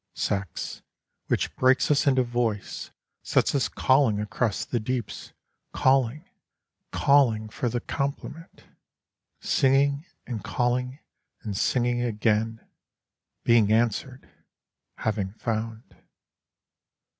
Sex, which breaks us into voice, sets us calling across the deeps, calling, calling for the complement, Singing, and calling, and singing again, being answered, having found.